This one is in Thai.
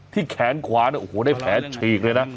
แขนขวาเนี่ยโอ้โหได้แผลฉีกเลยนะ